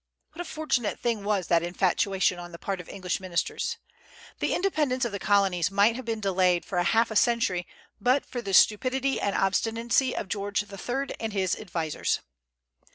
What a fortunate thing was that infatuation on the part of English ministers! The independence of the Colonies might have been delayed for half a century but for the stupidity and obstinacy of George III and his advisers.